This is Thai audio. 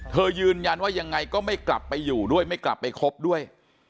ยืนยันว่ายังไงก็ไม่กลับไปอยู่ด้วยไม่กลับไปคบด้วย